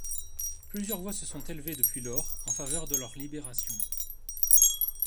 Plusieurs voix se sont élevées depuis lors en faveur de leur libération.